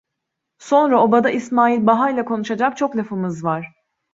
Sonra obada İsmail Baha'yla konuşacak çok lafımız var…